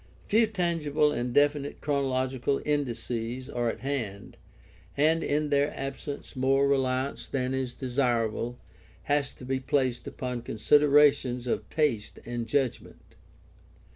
Few tangible and definite chronological indices are at hand, and in their absence more reliance than is desirable has to be placed upon considerations of taste and judgment.